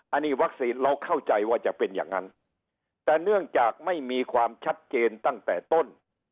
อันนี้วัคซีนเราเข้าใจว่าจะเป็นอย่างนั้นแต่เนื่องจากไม่มีความชัดเจนตั้งแต่ต้น